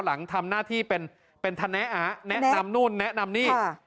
หลังทำหน้าที่เป็นธนแนะอาแนนนุ่นแนนำหนี้